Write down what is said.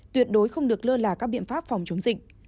tuyệt đối không được lơ là các biện pháp phòng chống dịch